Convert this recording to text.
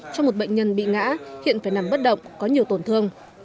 cho một bệnh nhân bị ngã hiện phải nằm bất động có nhiều tổn thương